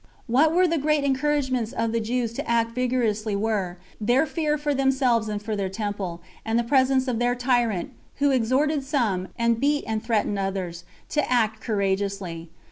What were the great encouragements of the Jews to act vigorously were, their fear for themselves and for the temple, and the presence of their tyrant, who exhorted some, and beat and threatened others, to act courageously.